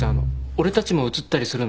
俺たちも映ったりするの？